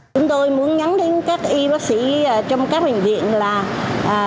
chúng tôi muốn nhắn đến các y bác sĩ trong các bệnh viện là